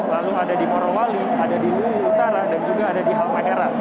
lalu ada di morowali ada di lutara dan juga ada di halmajara